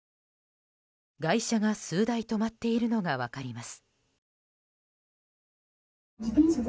外車が数台止まっているのが分かります。